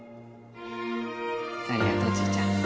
ありがとうちーちゃん。